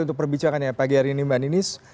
untuk perbicaraannya pagi hari ini mbak ninis